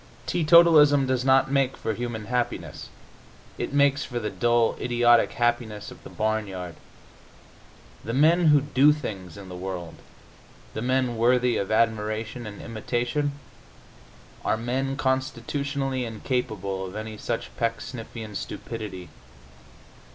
Teetotalism does not make for human happiness; it makes for the dull, idiotic happiness of the barnyard. The men who do things in the world, the men worthy of admiration and imitation, are men constitutionally incapable of any such pecksniffian stupidity.